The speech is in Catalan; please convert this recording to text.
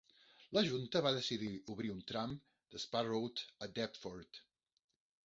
La junta va decidir obrir un tram d'Spa Road a Deptford.